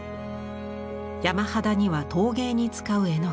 山肌には陶芸に使う絵の具。